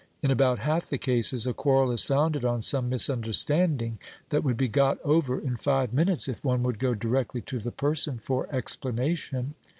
In about half the cases, a quarrel is founded on some misunderstanding that would be got over in five minutes if one would go directly to the person for explanation."